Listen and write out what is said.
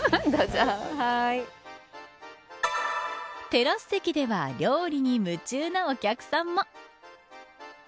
テラス席では料理に夢中なお客さんも。